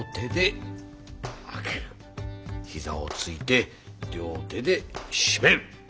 膝をついて両手で閉める。